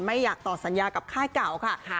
ไม่อยากต่อสัญญากับค่ายเก่าค่ะ